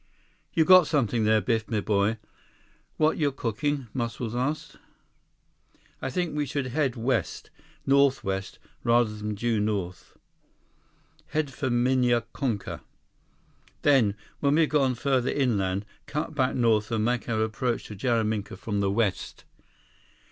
"You got something there, Biff, m'boy. What're you cooking?" Muscles asked. 129 "I think we should head west, west northwest, rather than due north. Head for Minya Konka. Then, when we've gone further inland, cut back north and make our approach to Jaraminka from the west."